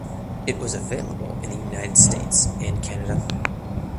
It was available in the United States and Canada.